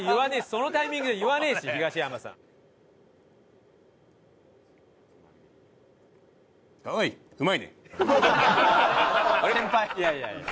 そのタイミングで言わねえし東山さん。いやいやいや。